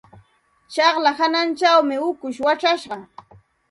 Tsaqlla hanachaw ukushmi wachashqa.